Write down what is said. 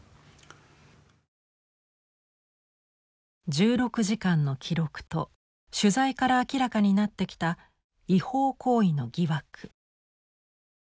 １６時間の記録と取材から明らかになってきた違法行為の疑惑。